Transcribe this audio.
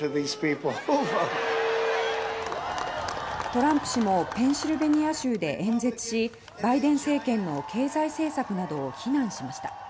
トランプ氏もペンシルベニア州で演説しバイデン政権の経済政策などを非難しました。